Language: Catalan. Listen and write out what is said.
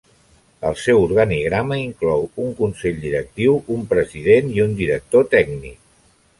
El seu organigrama inclou un Consell Directiu, un President i un Director Tècnic.